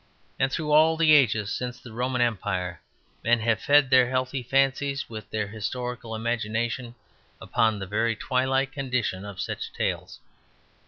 And through all the ages since the Roman Empire men have fed their healthy fancies and their historical imagination upon the very twilight condition of such tales.